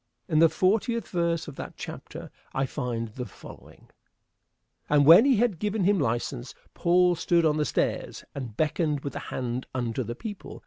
In the fortieth verse of that chapter I find the following: "And when he had given him license, Paul stood on the stairs and beckoned with the hand unto the people.